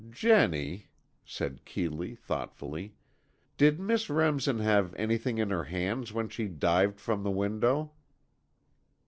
"Jennie," said Keeley, thoughtfully, "did Miss Remsen have anything in her hands when she dived from the window?"